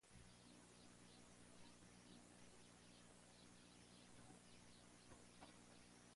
A continuación se detallan las principales figuras acrobáticas y su notación Aresti.